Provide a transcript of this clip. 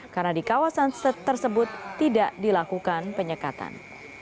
karena di kawasan tersebut tidak dilakukan penyekatan